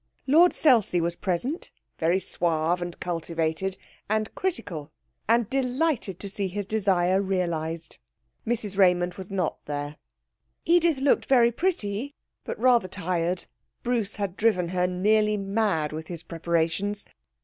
Lord Selsey was present, very suave and cultivated, and critical, and delighted to see his desire realised. Mrs Raymond was not there. Edith looked very pretty, but rather tired. Bruce had driven her nearly mad with his preparations.